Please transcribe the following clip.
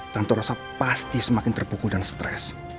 tante rosa pasti semakin terpukul dan stres